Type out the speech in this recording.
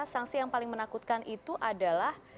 sanksi yang paling menakutkan itu adalah